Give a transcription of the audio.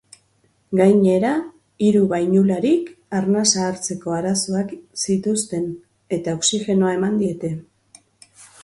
Gainera, hiru bainularik arnasa hartzeko arazoak zituzten, eta oxigenoa eman diete.